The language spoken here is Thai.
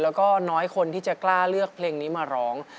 แล้วก็น้อยคนที่จะกล้าเลือกเพลงนี้มาร้อง